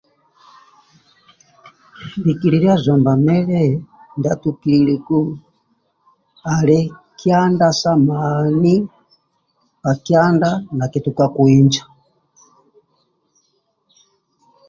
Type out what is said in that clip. Likilia zomba mili ndia tukililiku ali kyanda sa mani ka kyanda ka kyada nakitukaku inja